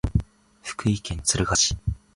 福井県敦賀市